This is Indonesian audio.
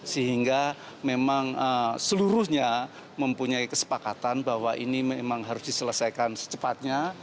sehingga memang seluruhnya mempunyai kesepakatan bahwa ini memang harus diselesaikan secepatnya